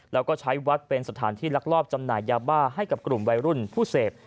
แล้วก็ใช้วัดเป็นสถานที่ลักลอบจำหน่ายยาบ้าให้กับกลุ่มวัยรุ่นผู้เสพ